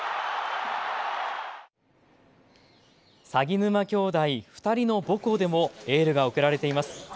鷺沼兄弟２人の母校でもエールが送られています。